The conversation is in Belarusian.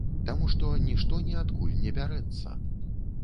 Таму што нішто ніадкуль не бярэцца.